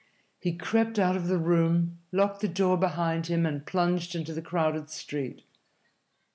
He crept out of the room, locked the door behind him, and plunged into the crowded street.